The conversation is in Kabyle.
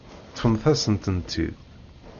Ṭṭfemt-asen-tent-id.